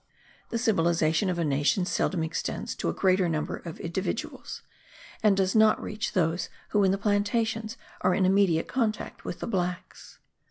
The civilization of a nation seldom extends to a great number of individuals; and does not reach those who in the plantations are in immediate contact with the blacks.